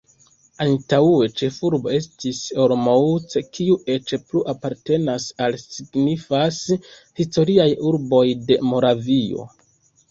Antaŭe ĉefurbo estis Olomouc, kiu eĉ plu apartenas al signifaj historiaj urboj de Moravio.